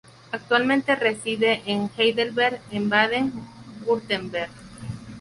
Actualmente reside en Heidelberg, en Baden-Wurtemberg.